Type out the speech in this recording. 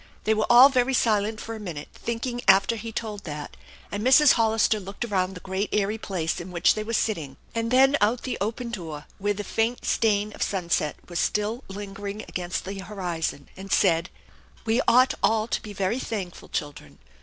They were all very silent for a minute thinking after he told that, and Mrs. Hollister looked around the great airy place in which they were sitting, an I then out the open door where the faint stain of sunset was still lingering against the horizon, and aid: "We ought all to be very thankful, children.